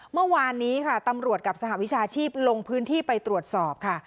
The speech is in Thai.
เมื่อวานนี้ค่ะตำรวจกับสหวิชาชีพลงพื้นที่ไปตรวจสอบค่ะ